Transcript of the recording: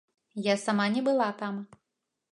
Я сама не была там.